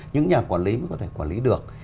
những nhà quản lý mới có thể quản lý được